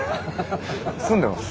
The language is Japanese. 住んでます。